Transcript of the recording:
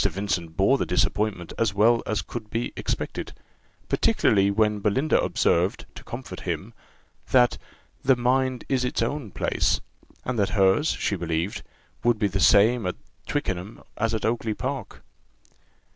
Vincent bore the disappointment as well as could be expected; particularly when Belinda observed, to comfort him, that "the mind is its own place;" and that hers, she believed, would be the same at Twickenham as at Oakly park.